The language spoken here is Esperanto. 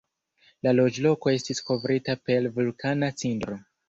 La loĝloko estis kovrita per vulkana cindro.